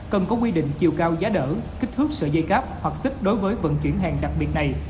cần có quy định chiều cao giá đỡ kích thước sợi dây cáp hoặc xích đối với vận chuyển hàng đặc biệt này